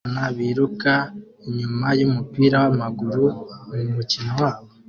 abana biruka inyuma yumupira wamaguru mumukino wabo